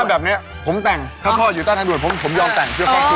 แบบนี้ผมแต่งถ้าพ่ออยู่ใต้ทางด่วนผมยอมแต่งเพื่อครอบครัว